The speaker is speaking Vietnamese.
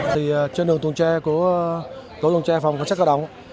trên đường tùng tre của tổ tùng tre phòng cảnh sát cả động